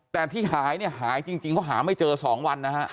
แต่ที่หายจริงเขาหาไม่เจอสองวัน